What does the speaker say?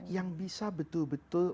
yang bisa betul betul